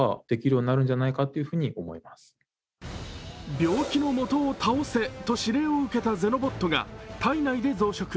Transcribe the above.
病気の元を倒せと指令を受けたゼノボットが体内で増殖。